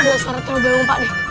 ada suara telur belom pak deh